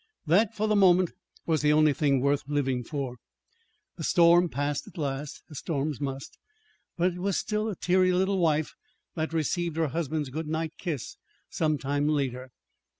That, for the moment, was the only thing worth living for. The storm passed at last, as storms must; but it was still a teary little wife that received her husband's good night kiss some time later.